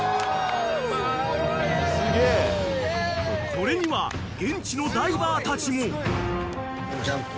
［これには現地のダイバーたちも］